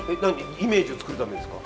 イメージを作るためですか？